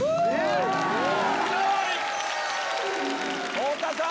太田さん！